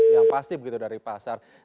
yang pasti begitu dari pasar